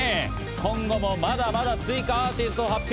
今後も、まだまだ追加アーティスト発表。